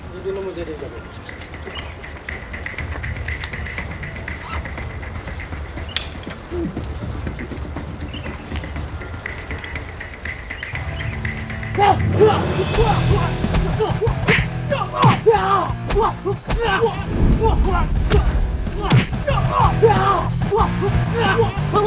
tunggu tunggu tunggu